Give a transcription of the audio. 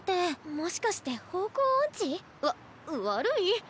もしかして方向オンチ？わ悪い？